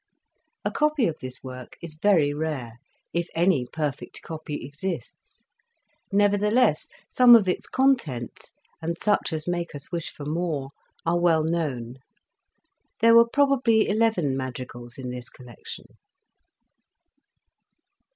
A copy of this work is very rare, if any perfect copy exists, nevertheless, some of its contents, and such as make us wish for more, are well known. There were probably eleven madri gals in this collection.